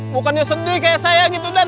bukannya sedih kayak saya gitu dah